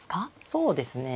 そうですね。